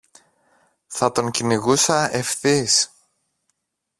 θα τον κυνηγούσα ευθύς